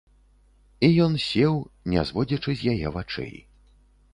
І ён сеў, не зводзячы з яе вачэй.